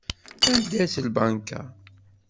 Anda-tt lbanka?